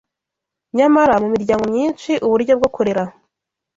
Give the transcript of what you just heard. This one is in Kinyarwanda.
Nyamara mu miryango myinshi uburyo bwo kurera